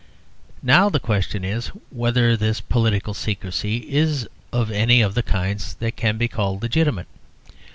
Now the question is whether this political secrecy is of any of the kinds that can be called legitimate.